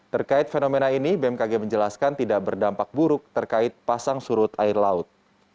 terkait fenomena ini bmkg menjelaskan tidak berdampak buruk terkait pasang surut air laut